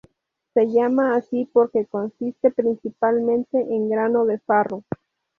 Se llama así porque consiste principalmente en grano de farro.